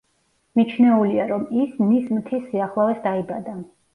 მიჩნეულია, რომ ის ნის მთის სიახლოვეს დაიბადა.